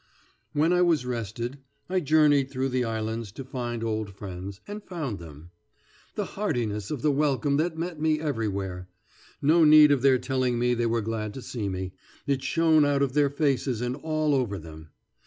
When I was rested, I journeyed through the islands to find old friends, and found them. The heartiness of the welcome that met me everywhere! No need of their telling me they were glad to see me. It shone out of their faces and all over them.